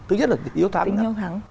thứ nhất là tính hiếu thắng